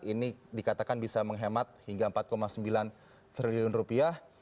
ini dikatakan bisa menghemat hingga empat sembilan triliun rupiah